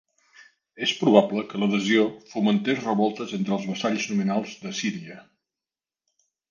És probable que l'adhesió fomentés revoltes entre els vassalls nominals d'Assíria.